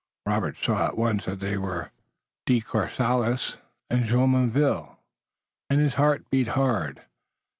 Robert saw at once that they were De Courcelles and Jumonville, and his heart beat hard.